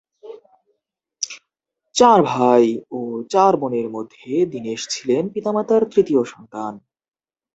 চার ভাই ও চার বোনের মধ্যে দীনেশ ছিলেন পিতামাতার তৃতীয় সন্তান।